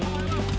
soal antara anda